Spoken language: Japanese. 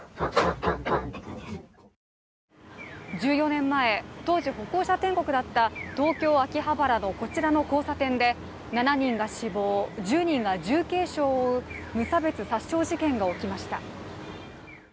１４年前、当時歩行者天国だった東京・秋葉原のこちらの交差点で７人が死亡、１０人が重軽傷を負う無差別殺傷事件が起きました。